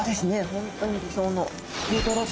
本当に理想の。